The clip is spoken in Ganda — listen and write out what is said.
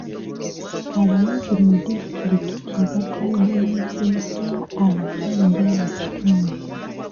Abayizi mu disitulikiti batulugunyizibwa abasajja mu kitundu.